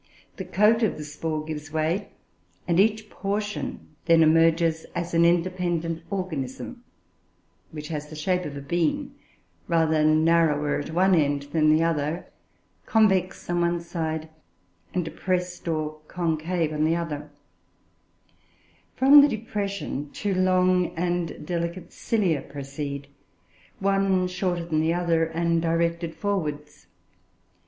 The coat of the spore gives way, and each portion then emerges as an independent organism, which has the shape of a bean, rather narrower at one end than the other, convex on one side, and depressed or concave on the opposite. From the depression, two long and delicate cilia proceed, one shorter than the other, and directed forwards.